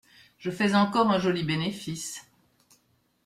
Je fais encore un joli bénéfice.